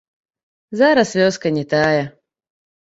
Зараз вёска не тая.